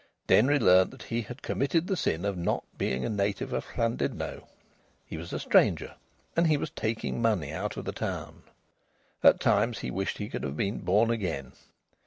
Denry learnt that he had committed the sin of not being a native of Llandudno. He was a stranger, and he was taking money out of the town. At times he wished he could have been born again.